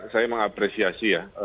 saya mengapresiasi ya